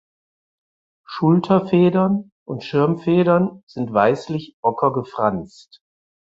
Schulterfedern und Schirmfedern sind weißlich ocker gefranst.